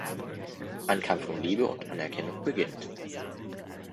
Ein Kampf um Liebe und Anerkennung beginnt.